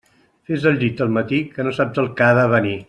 Fes el llit al matí, que no saps el que ha de venir.